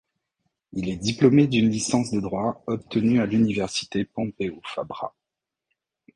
Il est diplômé d'une licence de droit obtenue à l'université Pompeu Fabra.